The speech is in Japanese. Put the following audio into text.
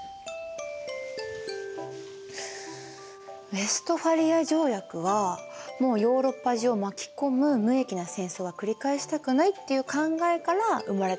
ウェストファリア条約はもうヨーロッパ中を巻き込む無益な戦争は繰り返したくないっていう考えから生まれたんですよね。